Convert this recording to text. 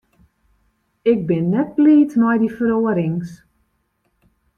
Ik bin net bliid mei dy feroarings.